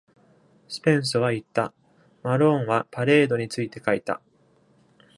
スペンスは言った：「マローンはパレードについて書いた。」